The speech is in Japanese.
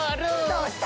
どうした？